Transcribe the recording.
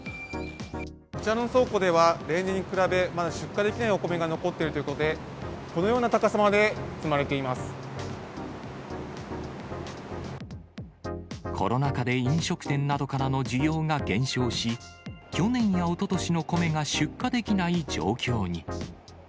こちらの倉庫では、例年に比べ、まだ出荷できないお米が残っているということで、このような高さコロナ禍で飲食店などからの需要が減少し、去年やおととしの米が出荷できない状況に。